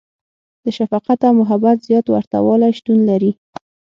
• د شفقت او محبت زیات ورتهوالی شتون لري.